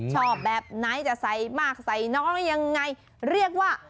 ชอบแบบไหนจะใส่มากใส่น้องได้ยังไงเรียกว่า